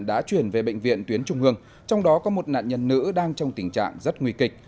đã chuyển về bệnh viện tuyến trung hương trong đó có một nạn nhân nữ đang trong tình trạng rất nguy kịch